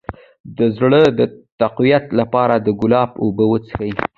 د زړه د تقویت لپاره د ګلاب اوبه وڅښئ